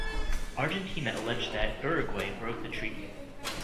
Argentina alleged that Uruguay broke the treaty.